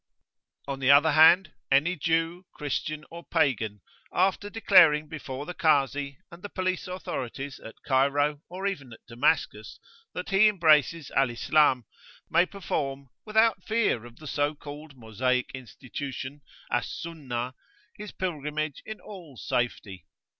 On the other hand, any Jew, Christian, or Pagan, after declaring before the Kazi and the Police Authorities at Cairo, or even at Damascus, that he embraces Al Islam, may perform, without fear of the so called Mosaic institution, "Al Sunnah," his pilgrimage in all safety.